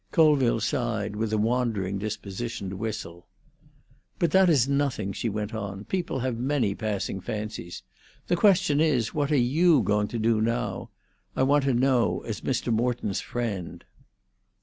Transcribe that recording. Colville sighed, with a wandering disposition to whistle. "But that is nothing," she went on. "People have many passing fancies. The question is, what are you going to do now? I want to know, as Mr. Morton's friend."